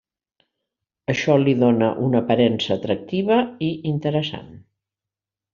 Això li dóna una aparença atractiva i interessant.